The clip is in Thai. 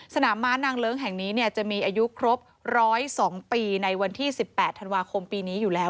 ม้านางเลิ้งแห่งนี้จะมีอายุครบ๑๐๒ปีในวันที่๑๘ธันวาคมปีนี้อยู่แล้ว